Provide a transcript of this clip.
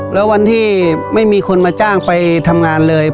แล้ววันที่ไม่มีคนมาจ้างไปทำงานเลย